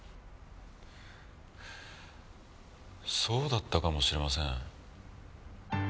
そうだったかもしれません。